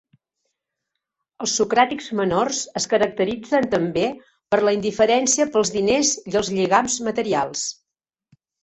Els socràtics menors es caracteritzen també per la indiferència pels diners i els lligams materials.